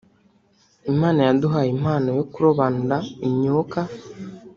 Imana yaduhaye impano yo kurobanura imyuka